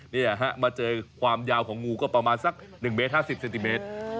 นี่ฮะมาเจอความยาวของงูก็ประมาณสัก๑เมตร๕๐เซนติเมตร